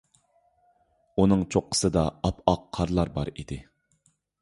ئۇنىڭ چوققىسىدا ئاپئاق قارلار بار ئىدى.